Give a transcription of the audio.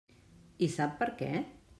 I sap per què?